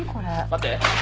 待って。